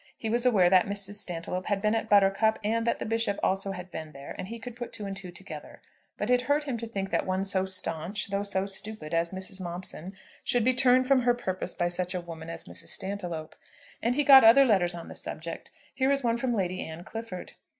He was aware that Mrs. Stantiloup had been at Buttercup, and that the Bishop also had been there and he could put two and two together; but it hurt him to think that one so "staunch" though so "stupid" as Mrs. Momson, should be turned from her purpose by such a woman as Mrs. Stantiloup. And he got other letters on the subject. Here is one from Lady Anne Clifford.